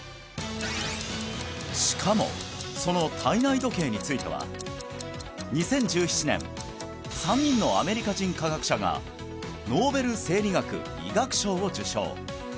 しかもその体内時計については２０１７年３人のアメリカ人科学者がノーベル生理学・医学賞を受賞